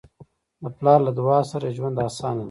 د پلار له دعاؤ سره ژوند اسانه دی.